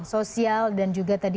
sosial dan juga tadi